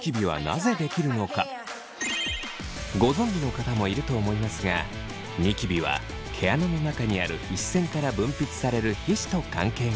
ご存じの方もいると思いますがニキビは毛穴の中にある皮脂腺から分泌される皮脂と関係があります。